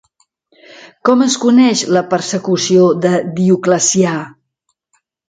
Com es coneix la persecució de Dioclecià?